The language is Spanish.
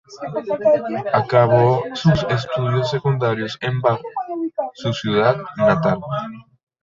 Acabó sus estudios secundarios en Bar, su ciudad natal.